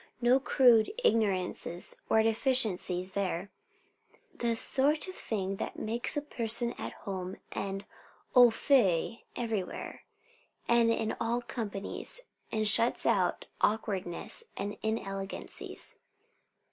No crude ignorances or deficiencies there. "The sort of thing that makes a person at home and au fait everywhere, and in all companies, and shuts out awkwardnesses and inelegancies.